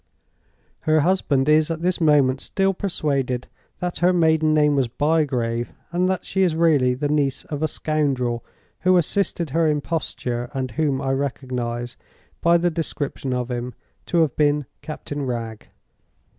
Her husband is at this moment still persuaded that her maiden name was Bygrave, and that she is really the niece of a scoundrel who assisted her imposture, and whom I recognize, by the description of him, to have been Captain Wragge.